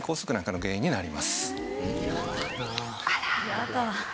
やだ。